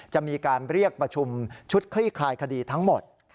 จะมีการเรียกประชุมชุดคลี่คลายคดีทั้งหมด